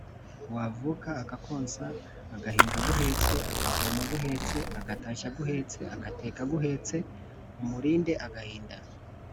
Wavuka akakonsa, Agahinga aguhetse, Akavoma aguhetse, Agatashya aguhetse, Agateka aguhetse, Umurinde agahinda